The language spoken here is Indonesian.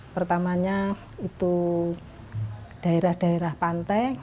pertamanya itu daerah daerah pantai